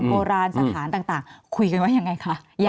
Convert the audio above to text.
โบราณสถานต่างคุยกันว่ายังไงคะ